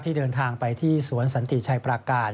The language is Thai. เดินทางไปที่สวนสันติชัยประการ